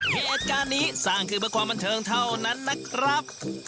เหตุการณ์นี้สร้างคือไว้ความบรรเทิงเท่านั้นนะครับ